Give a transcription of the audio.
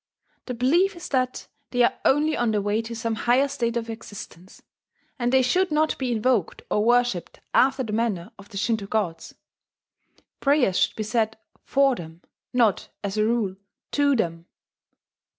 The belief is that they are only on their way to some higher state of existence; and they should not be invoked or worshipped after the manner of the Shinto gods: prayers should be said FOR them, not, as a rule, TO them.